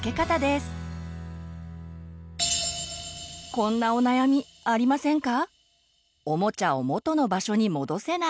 こんなお悩みありませんか？